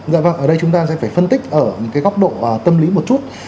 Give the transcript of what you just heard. dạ vâng ở đây chúng ta sẽ phải phân tích ở những cái góc độ tâm lý một chút